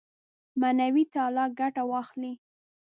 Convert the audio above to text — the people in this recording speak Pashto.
معنوي تعالي ګټه واخلي.